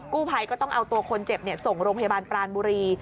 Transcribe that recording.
กู้ภัยก็ต้องเอาตัวคนเจ็บส่งโรงพยาบาลปรานบุรี